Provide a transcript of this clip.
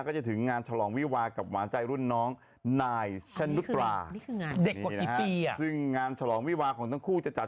พวกนางไม่กินเหมือนพวกเรา